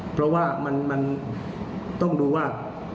เพราะว่ามันต้องดูว่า